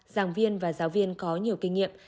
giảng viên và giáo viên có nhiều kinh nghiệm